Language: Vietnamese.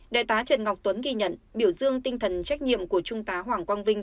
đại tá trần ngọc tuấn ghi nhận biểu dương tinh thần trách nhiệm của trung tá hoàng quang vinh